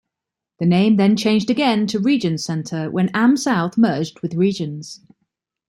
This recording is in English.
The name then changed again to Regions Center when AmSouth merged with Regions.